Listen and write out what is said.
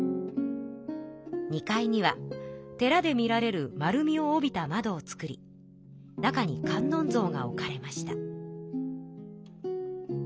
２階には寺で見られる丸みを帯びたまどを作り中に観音像が置かれました。